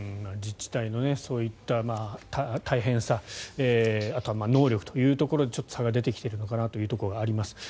自治体のそういった大変さあとは能力というところでちょっと差が出てきているのかなというところはあります。